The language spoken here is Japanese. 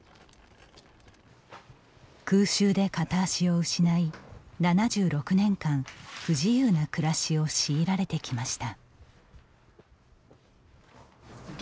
空襲で片足を失い７６年間、不自由な暮らしを強いられてきました。